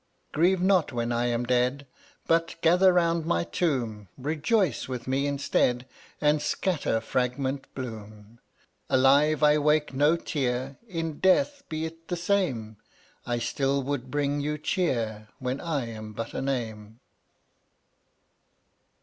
104 Grieve not when I am dead, But, gathered 'round my tomb, Rejoice with me instead, And scatter fragment bloom. Alive, I wake no tear; In death be it the same; I still would bring you cheer When I am but a name.